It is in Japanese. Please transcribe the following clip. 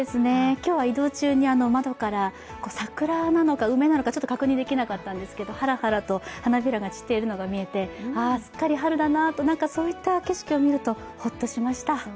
今日は移動中に窓から桜なのか、梅なのかちょっと確認できなかったんですけどハラハラと花びらが散っているのが見えて、すっかり春だなとそういった景色を見るとほっとしました。